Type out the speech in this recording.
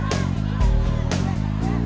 dari jam enam tadi